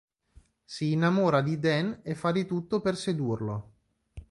Si innamora di Dan e fa di tutto per sedurlo.